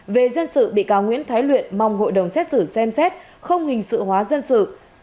về dân sự bị cáo nguyễn thái luyện mong hội đồng xét xử xem xét không hình sự hóa dân sự